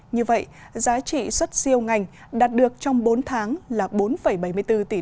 như vậy giá trị xuất siêu ngành đạt được trong bốn tháng là bốn bảy mươi bốn tỷ usd tăng bảy mươi một năm